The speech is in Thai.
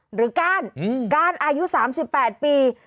ก้านก้านอายุ๓๘ปี